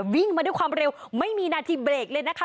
วิ่งมาด้วยความเร็วไม่มีนาทีเบรกเลยนะคะ